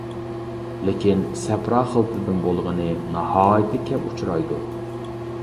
لېكىن سەپرا خىلىتىدىن بولغىنى ناھايىتى كەم ئۇچرايدۇ.